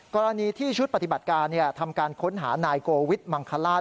กรณีที่ชุดปฏิบัติการทำการค้นหานายโกวิทมังคลาศ